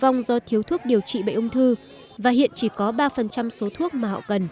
bệnh nhân bị tử vong do thiếu thuốc điều trị bệnh ung thư và hiện chỉ có ba số thuốc mà họ cần